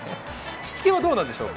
しつけはどうなんでしょうか？